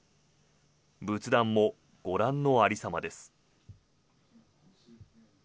仏壇もご覧の有り様です。